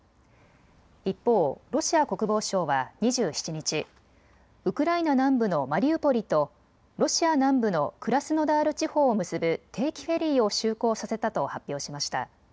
一方、ロシア国防省は２７日、ウクライナ南部のマリウポリとロシア南部のクラスノダール地方を結ぶ定期フェリーを就航させたと発表しました。